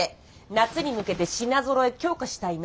夏に向けて品ぞろえ強化したいなって。